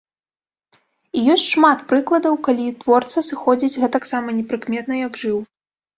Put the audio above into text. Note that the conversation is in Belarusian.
І ёсць шмат прыкладаў, калі творца сыходзіць гэтаксама непрыкметна, як жыў.